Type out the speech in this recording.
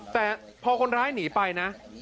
แต่พอคนร้ายหนีไปนะ